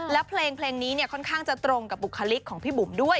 แล้วเพลงนี้เนี่ยค่อนข้างจะตรงกับบุคลิกของพี่บุ๋มด้วย